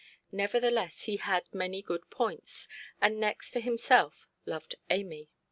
Nevertheless he had many good points, and next to himself loved Amy.